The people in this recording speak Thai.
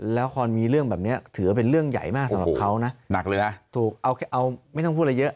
แล้วพอมีเรื่องแบบนี้ถือว่าเป็นเรื่องใหญ่มากสำหรับเขานะหนักเลยนะถูกเอาไม่ต้องพูดอะไรเยอะ